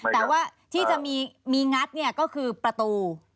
แต่ว่าที่จะมีงัดก็คือประตู